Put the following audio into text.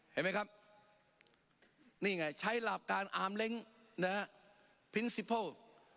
เห็นมั้ยครับนี่ไงใช้หลักการอามเล็งนะพินซิเฟิล